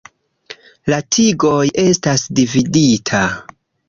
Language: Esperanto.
La tigoj estas dividita.